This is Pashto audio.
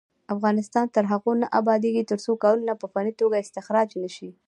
افغانستان تر هغو نه ابادیږي، ترڅو کانونه په فني توګه استخراج نشي.